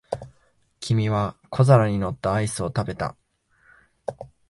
君は小皿に乗ったアイスを食べた。